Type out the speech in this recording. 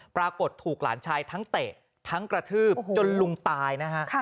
ปรากฏถูกหลานชายทั้งเตะทั้งกระทืบจนลุงตายนะฮะ